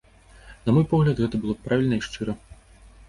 На мой погляд, гэта было б правільна і шчыра.